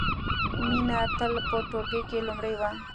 مینه تل په ټولګي کې لومړۍ وه